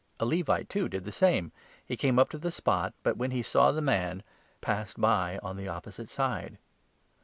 A Levite, too, did the same ; he came up to the spot, 32 but, when he saw the man, passed by on the opposite side.